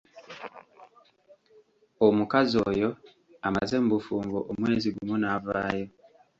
Omukazi oyo amaze mu bufumbo omwezi gumu n'avaayo!